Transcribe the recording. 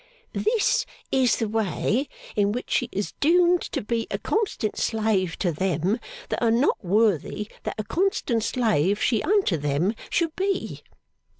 This is the way in which she is doomed to be a constant slave to them that are not worthy that a constant slave she unto them should be.